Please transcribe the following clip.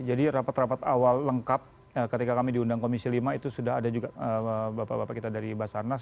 jadi rapat rapat awal lengkap ketika kami diundang komisi lima itu sudah ada juga bapak bapak kita dari basarnas